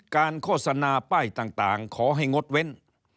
โฆษณาป้ายต่างขอให้งดเว้น